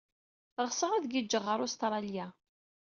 Ɣseɣ ad giǧǧeɣ ɣer Ustṛalya.